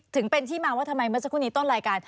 ถึงเป็นที่มาว่าทำไมเมื่อสักครู่นี้ต้นรายการ